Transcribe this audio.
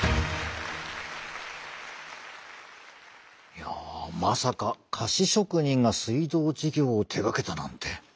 いやまさか菓子職人が水道事業を手がけたなんて。